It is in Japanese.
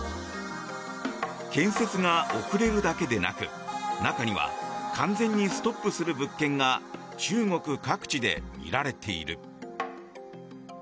建設が遅れるだけでなく中には完全にストップする物件が中国各地で見られている。